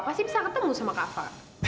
pasti bisa ketemu sama kakak